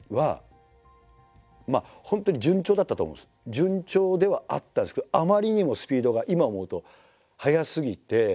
順調ではあったんですけどあまりにもスピードが今思うと速すぎて。